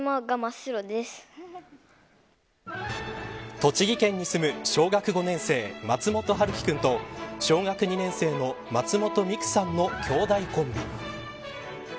栃木県に住む小学５年生、松本陽希君と小学２年生の松本望来さんのきょうだいコンビ。